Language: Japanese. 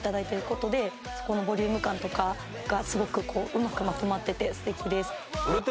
事でそこのボリューム感とかがすごくこううまくまとまってて素敵です。